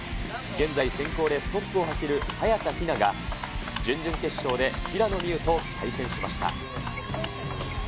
現在、選考レーストップを走る早田ひなが、準々決勝で平野美宇と対戦しました。